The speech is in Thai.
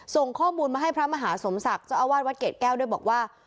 ส่งข้อมูลมาให้พระมหาสมศักดิ์เจ้าอาวาสวัดเกรดแก้วด้วยบอกว่า